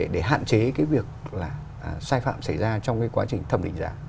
để hạn chế cái việc là sai phạm xảy ra trong cái quá trình thẩm định giá